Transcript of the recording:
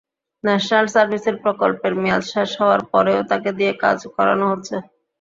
National সার্ভিসের প্রকল্পের মেয়াদ শেষ হওয়ার পরেও তাঁকে দিয়ে কাজ করানো হচ্ছে।